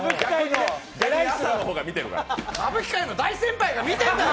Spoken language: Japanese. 歌舞伎界の大先輩が見てるんだよ